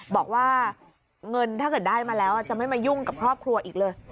บอกว่าเงินถ้าเกิดได้มาแล้วจะไม่มายุ่งกับครอบครัวอีกเลย